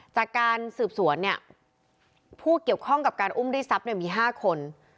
จากการสืบสวนเนี่ยผู้เกี่ยวข้องกับการอุ้มได้ทรัพย์มี๕คน